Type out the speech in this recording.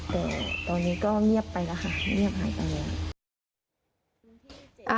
แต่ตอนนี้ก็เงียบไปแล้วค่ะ